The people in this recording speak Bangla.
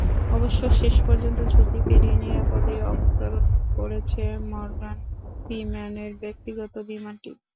অবশ্য, শেষপর্যন্ত ঝুঁকি পেরিয়ে নিরাপদেই অবতরণ করেছে মর্গান ফ্রিম্যানের ব্যক্তিগত বিমানটি।